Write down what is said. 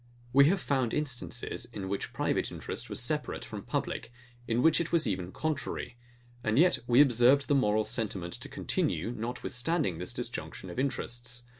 We have found instances, in which private interest was separate from public; in which it was even contrary: And yet we observed the moral sentiment to continue, notwithstanding this disjunction of interests.